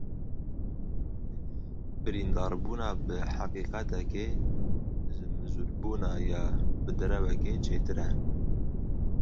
Birîndarbûna bi heqîqetekê, ji mijûlbûna ya bi derewekê çêtir e.